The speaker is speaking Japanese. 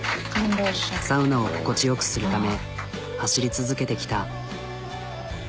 サウナを心地よくするため走り続けてきた。